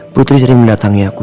putri sering mendatangi aku